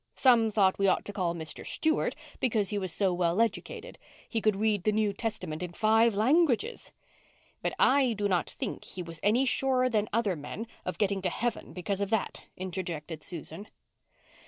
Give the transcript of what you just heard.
Some thought we ought to call Mr. Stewart, because he was so well educated. He could read the New Testament in five languages." "But I do not think he was any surer than other men of getting to heaven because of that," interjected Susan.